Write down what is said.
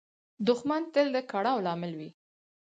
دښمن تل د کړاو لامل وي